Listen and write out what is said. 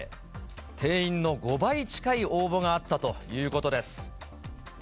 定員の５倍近い応募があったということです。